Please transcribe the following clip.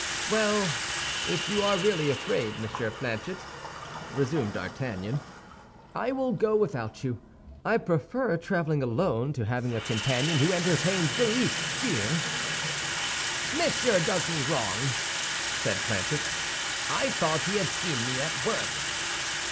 "Well, if you are really afraid, Monsieur Planchet," resumed D'Artagnan, "I will go without you. I prefer traveling alone to having a companion who entertains the least fear." "Monsieur does me wrong," said Planchet; "I thought he had seen me at work."